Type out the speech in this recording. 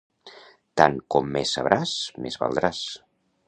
Tant com més sabràs, més valdràs.